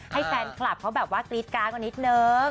ให้แฟนคลับเขาแบบว่ากรี๊ดการ์ดกว่านิดนึง